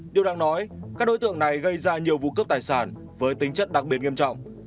điều đang nói các đối tượng này gây ra nhiều vụ cướp tài sản với tính chất đặc biệt nghiêm trọng